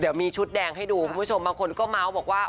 เดี๋ยวมีชุดแดงให้ดูคุณผู้ชมบางคนก็เมาส์บอกว่า